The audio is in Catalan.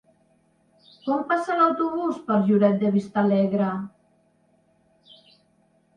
Quan passa l'autobús per Lloret de Vistalegre?